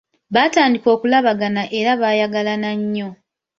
Baatandika okulabagana era baayagalana nnyo.